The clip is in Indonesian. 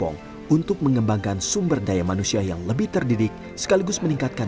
nggak tahu apa apa mungkin main mainnya ya di sini sini aja